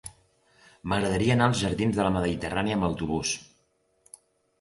M'agradaria anar als jardins de la Mediterrània amb autobús.